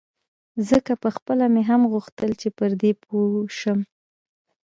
ځکه پخپله مې هم غوښتل چې پر دې پوی شم.